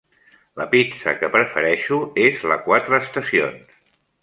La pizza que prefereixo és la quatre estacions.